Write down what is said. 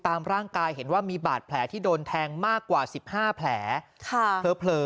ตามร่างกายเห็นว่ามีบาดแผลที่โดนแทงมากกว่าสิบห้าแผลค่ะเธอเผลอ